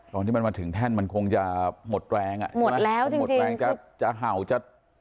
ตอนที่มันมาถึงแท่นมันคงจะหมดแรงอ่ะหมดแล้วจะหมดแรงจะจะเห่าจะ